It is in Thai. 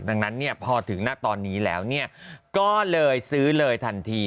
ดังนั้นเนี่ยพอถึงหน้าตอนนี้แล้วเนี่ยก็เลยซื้อเลยทันที